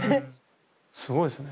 すごいですね。